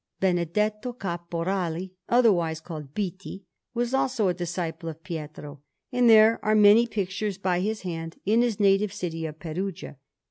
Benedetto Caporali, otherwise called Bitti, was also a disciple of Pietro, and there are many pictures by his hand in his native city of Perugia.